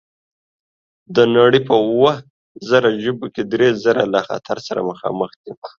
د نړۍ په اووه زره ژبو کې درې زره له خطر سره مخامخ دي.